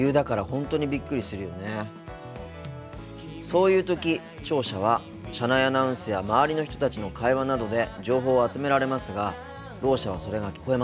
そういう時聴者は車内アナウンスや周りの人たちの会話などで情報を集められますがろう者はそれが聞こえません。